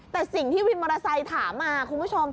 แต่สิ่งที่วินมอเตอร์ไซค์ถามมาคุณผู้ชม